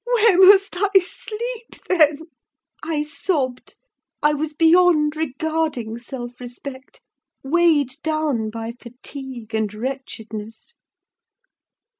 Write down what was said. "Where must I sleep, then?" I sobbed; I was beyond regarding self respect, weighed down by fatigue and wretchedness.